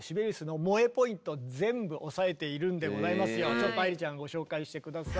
ちょっと愛理ちゃんご紹介して下さい。